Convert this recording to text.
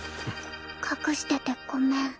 隠しててごめん。